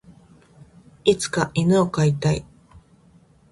いつか犬を飼いたい。